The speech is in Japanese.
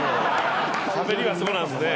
しゃべりはそうなんすね。